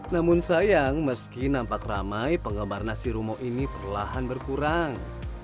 namun sayang meski nampak ramai penggemar nasi rumo ini perlahan berkurang